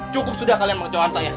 cukup sudah kalian mengecohkan saya